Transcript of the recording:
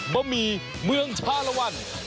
บะหมี่เมืองชาลวัน